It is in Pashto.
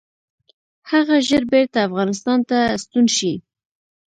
هغه ژر بیرته افغانستان ته ستون شي.